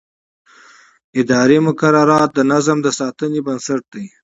اداري مقررات د نظم د ساتنې بنسټ دي.